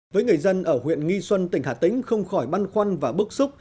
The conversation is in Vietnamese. với người dân ở huyện nghi xuân tỉnh hà tĩnh không khỏi băn khoăn và bức xúc